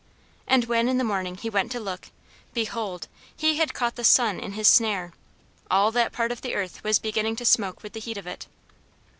And when in the morning he went to look, behold, he had caught the sun in his snare! All that part of the earth was beginning to smoke with the heat of it.